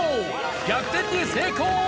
逆転に成功。